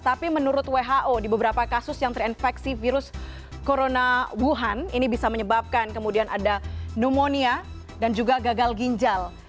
tapi menurut who di beberapa kasus yang terinfeksi virus corona wuhan ini bisa menyebabkan kemudian ada pneumonia dan juga gagal ginjal